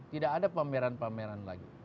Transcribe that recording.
tidak ada pameran pameran lagi